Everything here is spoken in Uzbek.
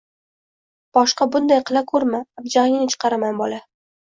— Boshqa bunday qila ko'rma, abjag'ingni chiqaraman, bola...